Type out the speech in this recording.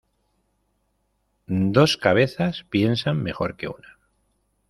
Dos cabezas piensan mejor que una.